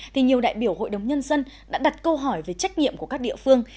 thì nhiều đại biểu hội đồng nhân dân đã đặt câu hỏi về trách nhiệm của các địa phương